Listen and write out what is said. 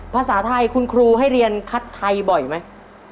ภาษาไทยคุณครูให้เรียนคัดไทยบ่อยไหม